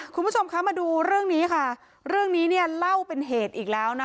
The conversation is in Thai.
คุณผู้ชมคะมาดูเรื่องนี้ค่ะเรื่องนี้เนี่ยเล่าเป็นเหตุอีกแล้วนะ